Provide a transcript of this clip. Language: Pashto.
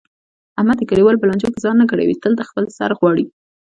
احمد د کلیوالو په لانجو کې ځان نه ګډوي تل د خپل سر غواړي.